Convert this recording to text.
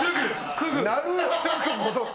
すぐ戻ってたよ。